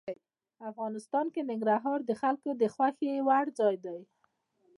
افغانستان کې ننګرهار د خلکو د خوښې وړ ځای دی.